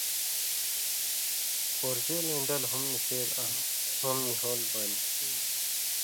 پورژیلوَیں ڈَل ہُم نشیل آں ہُم نی ہول بانیۡ تھی۔